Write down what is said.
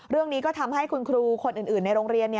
เรื่องนี้ก็ทำให้คุณครูคนอื่นในโรงเรียน